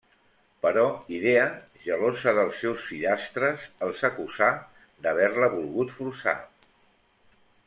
Però Idea, gelosa dels seus fillastres, els acusà d'haver-la volgut forçar.